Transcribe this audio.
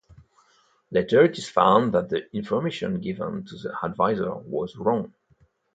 Later it is found that the information given by the adviser was wrong.